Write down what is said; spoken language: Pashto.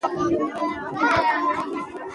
چې ځې ځې ابازو ته به راځې